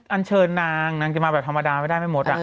อันเชิญนางนางจะมาแบบธรรมดาไม่ได้ไม่หมด